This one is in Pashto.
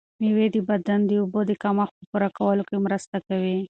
مېوې د بدن د اوبو د کمښت په پوره کولو کې مرسته کوي.